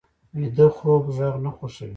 ویده خوب غږ نه خوښوي